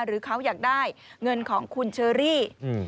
หรือเขาอยากได้เงินของคุณเชอรี่